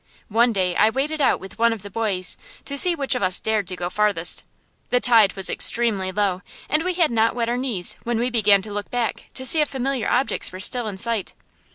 One day I waded out with one of the boys, to see which of us dared go farthest. The tide was extremely low, and we had not wet our knees when we began to look back to see if familiar objects were still in sight.